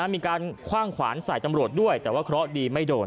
มีการคว่างขวานใส่ตำรวจด้วยแต่ว่าเคราะห์ดีไม่โดน